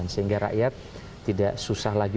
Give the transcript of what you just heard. sehingga rakyat tidak susah lagi